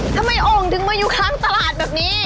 โอ่งถึงมาอยู่ข้างตลาดแบบนี้